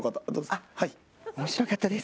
面白かったです。